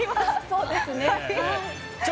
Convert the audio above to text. そうですね。